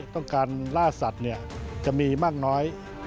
ต้องการล่าสัตว์จะมีมากน้อย